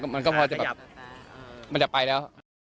ครับผมมันก็พอจะแบบมันจะไปแล้ว